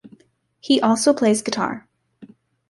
He also plays guitar.